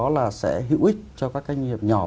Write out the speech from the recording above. là sẽ hữu ích cho các doanh nghiệp nhỏ